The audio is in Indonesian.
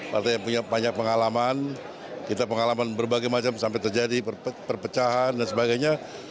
partai yang punya banyak pengalaman kita pengalaman berbagai macam sampai terjadi perpecahan dan sebagainya